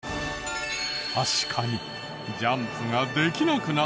確かにジャンプができなくなった。